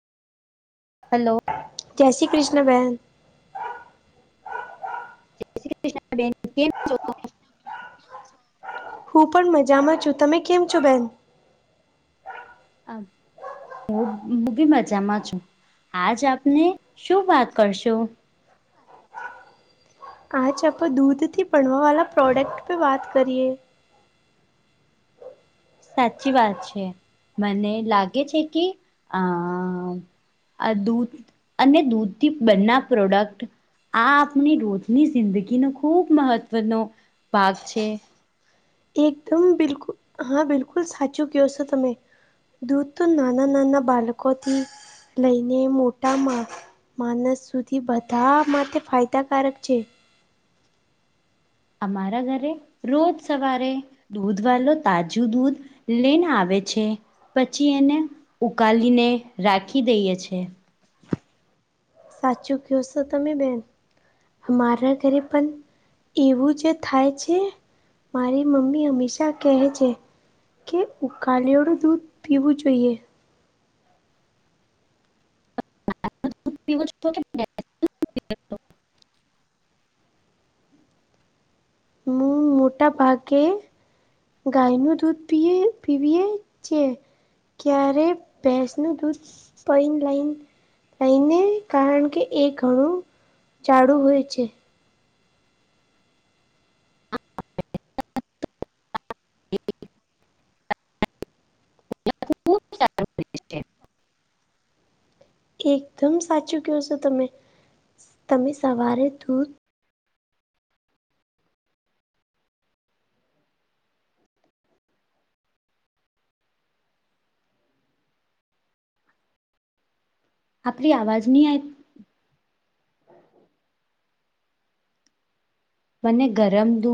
Hello.... જય શ્રી કૃષ્ણ બહેન. જય શ્રી કૃષ્ણ બેન. કેમ છો? હું પણ મજામાં છું. તમે કેમ છો બેન. આમ.... હુ હું બી મજામાં છું. આજ આપને શું વાત કરશું. આજ આપણે દૂધથી ભણવાવાળા પ્રોડક્ટ પર વાત કરીએ. સાચી વાત છે. મને લાગે છે. કે આ આ દૂધ અને દૂધથી બંના પ્રોડક્ટ આ આપણી રોજની જિંદગીનો ખૂબ મહત્વનો ભાગ છે. એકદમ બિલકુલ હા બિલકુલ સાચું કહો છો. તમે દૂધ તો નાના નાના બાળકોથી લઈને. મોટામાં માણસ. માનસ સુધી બધા માટે ફાયદાકારક છે. અમારા ઘરે રોજ સવારે. દૂધ વાલો તાજું દૂધ લેને આવે છે. પછી એને ઉકાલીને રાખી દઈએ છે. સાચું ક છો તમે બેન મારા ઘરે પણ એવું જે થાય છે. મારી મમ્મી હંમેશા કહે છે. કે ઉકાલેળું દૂધ પીવું જોઈએ. [inaudible] પીવું જ પડે ને. હું મોટા ભાગે‌ ગાયનું દૂધ પીએ પીએ છે. ક્યારે ભેંસનું દૂધ પન [unintelligible] લઈને કારણ કે એ ઘણું જાડું હોય છે. [unintelligible] સારુ છે. એકદમ સાચું કહો છો તમે તમે સવારે દૂધ આપલી આવાજ નહી આઈ મને ગરમ દૂધ